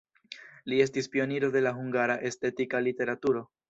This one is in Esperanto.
Li estis pioniro de la hungara estetika literaturo.